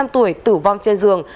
bốn mươi năm tuổi tử vong trên giường